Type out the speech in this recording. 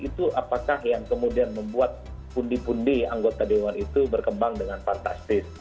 itu apakah yang kemudian membuat pundi pundi anggota dewan itu berkembang dengan fantastis